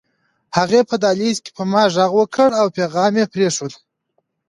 هغې په دهلېز کې په ما غږ وکړ او پيغام يې پرېښود